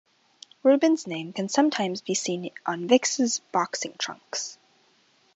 Ruben's name can sometimes be seen on Vic's boxing trunks.